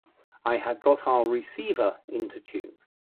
I had got our receiver into tune.